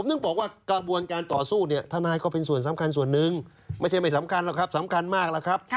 นึกบอกว่ากระบวนการต่อสู้เนี่ยทนายก็เป็นส่วนสำคัญส่วนหนึ่งไม่ใช่ไม่สำคัญหรอกครับสำคัญมากแล้วครับ